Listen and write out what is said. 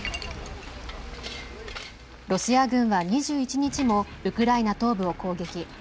ロシア軍は２１日もウクライナ東部を攻撃。